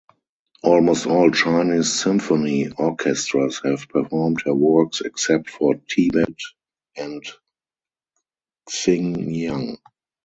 Almost all Chinese symphony orchestras have performed her works except for Tibet and Xinjiang.